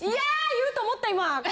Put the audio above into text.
言うと思った今。